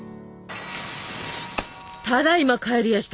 ただいま帰りやした。